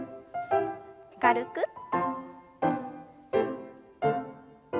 軽く。